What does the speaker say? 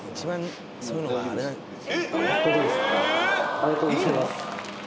ありがとうございます。